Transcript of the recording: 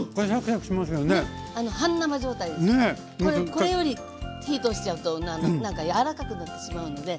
これより火通しちゃうとなんかやわらかくなってしまうので。